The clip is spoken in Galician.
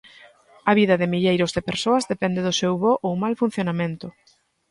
A vida de milleiros de persoas depende do seu bo ou mal funcionamento.